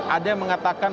ada yang mengatakan